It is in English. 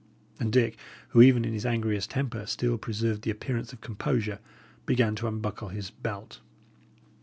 And Dick, who, even in his angriest temper, still preserved the appearance of composure, began to unbuckle his belt.